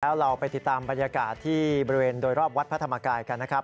แล้วเราไปติดตามบรรยากาศที่บริเวณโดยรอบวัดพระธรรมกายกันนะครับ